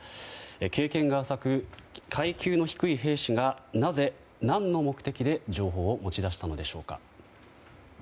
経験が浅く、階級の低い兵士がなぜ、何の目的で情報を持ち出したのでしょうか。